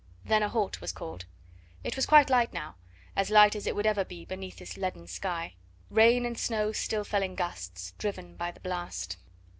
Then a halt was called. It was quite light now. As light as it would ever be beneath this leaden sky. Rain and snow still fell in gusts, driven by the blast.